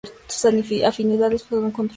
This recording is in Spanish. Sus afinidades son controvertidas.